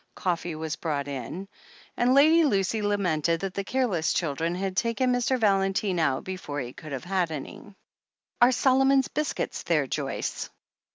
Coffee was brought in, and Lady Lucy lamented that the careless children had taken Mr. Valentine out before he could have had any. "Are Solomon's biscuits there, Joyce?"